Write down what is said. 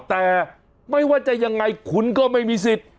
แต่ไม่ว่าจะยังไงคุณก็ไม่มีสิทธิ์